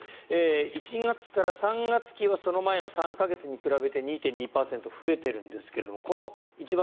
１月から３月期はその前の３か月に比べて２．２％増えているんですがこの一番